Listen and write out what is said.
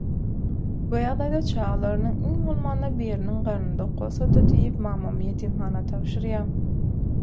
Bu ýagdaýda çagalarynyň iň bolmanda biriniň garny dok bolsa-da diýip mamamy ýetimhana tabşyrýar.